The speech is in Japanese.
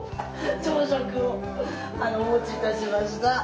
朝食をお持ち致しました。